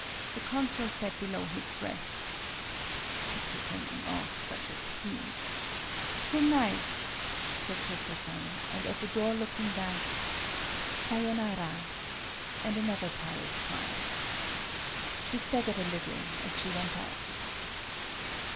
The consul said below his breath :" Pinkerton, and all such as he!" "Goon night," said Cho Cho San, and at the door looking back, "Sayonara," and another tired smile. She staggered a little as she went out.